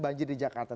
banjir di jakarta